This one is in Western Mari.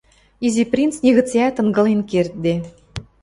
Изи принц нигыцеӓт ынгылен кердде.